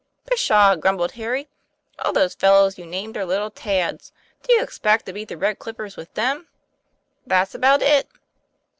" "Pshaw!" grumbled Harry. "All those fellows you've named are little tads. Do you expect to beat the Red Clippers with them?" "That's about it."